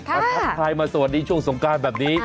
ทักทายมาสวัสดีช่วงสงการแบบนี้